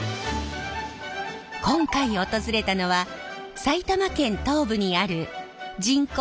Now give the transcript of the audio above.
今回訪れたのは埼玉県東部にある人口